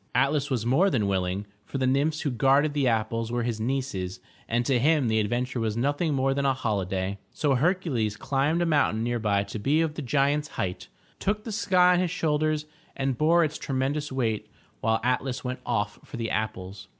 Atlas was more than willing, for the nymphs who guarded the apples were his nieces and to him the adventure was nothing more than a holiday. So Hercules climbed a moimtain nearby to be of the giant's height, took the sky on his shoulders, and bore its tremendous weight while Atlas went off for the apples.